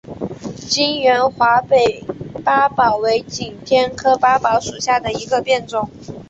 全缘华北八宝为景天科八宝属下的一个变种。